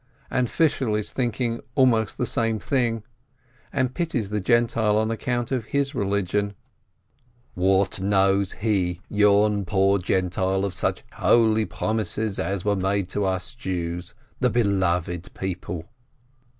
And Fishel is thinking almost the same thing, and pities the Gentile on account of his religion. "What knows he, yon poor Gentile, of such holy promises as were made to us Jews, the beloved people